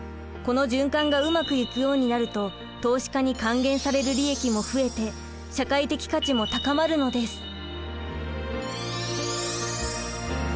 この循環がうまくいくようになると投資家に還元される利益も増えて社会的価値も高まるのです。